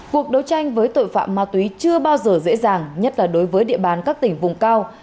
cuộc đấu tranh với tội phạm ma túy chưa bao giờ dễ dàng nhất là đối với địa bàn các tỉnh vùng cao